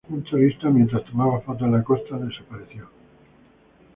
Un turista, mientras tomaba fotos en la costa, desapareció.